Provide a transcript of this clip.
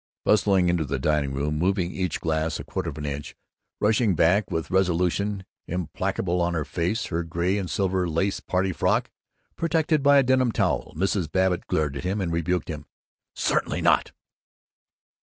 Bustling into the dining room, moving each glass a quarter of an inch, rushing back with resolution implacable on her face, her gray and silver lace party frock protected by a denim towel, Mrs. Babbitt glared at him, and rebuked him, "Certainly not!"